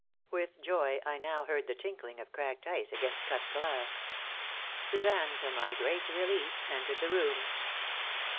With joy, I now heard the tinkling of cracked ice against cut glass. Suzanne, to my great relief, entered the room.